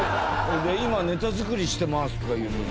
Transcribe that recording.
今ネタ作りしてますとか言うとさ。